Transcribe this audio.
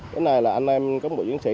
cái này là anh em cán bộ chiến sĩ